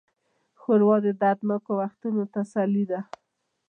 ښوروا د دردناکو وختونو تسلي ده.